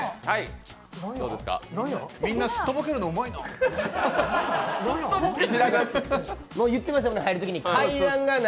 みんなすっとぼけるのうまいな。